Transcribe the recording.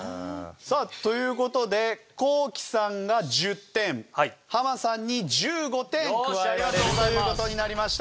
さあという事でコウキさんが１０点ハマさんに１５点加えられるという事になりました。